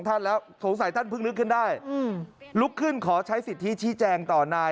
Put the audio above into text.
เป็นไม่รับหลักการเจ้า